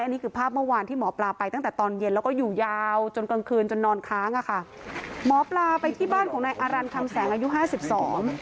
อันนี้คือภาพเมื่อวานที่หมอปลาไปตั้งแต่ตอนเย็นแล้วก็อยู่ยาวจนกลางคืนจนนอนค้างอ่ะค่ะหมอปลาไปที่บ้านของนายอารันคำแสงอายุห้าสิบสอง